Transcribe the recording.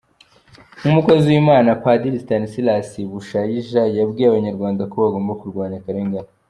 Nk’umukozi w’Imana, Padiri Stanislas Bushayija yabwiye abanyarwanda ko bagomba kurwanya akarengane.